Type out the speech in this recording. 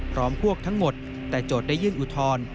พร้อมพวกทั้งหมดแต่โจทย์ได้ยื่นอุทธรณ์